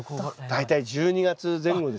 大体１２月前後ですね。